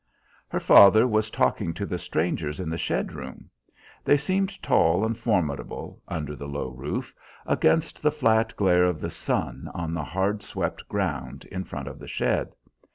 Her father was talking to the strangers in the shed room. They seemed tall and formidable, under the low roof, against the flat glare of the sun on the hard swept ground in front of the shed.